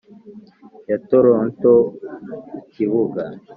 ya toronto ku kibuga